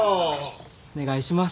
お願いします。